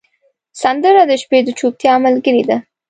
سندره د شپې د چوپتیا ملګرې ده